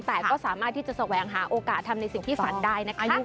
แต่ก็สามารถที่จะแสวงหาโอกาสทำในสิ่งที่ฝันได้นะคะ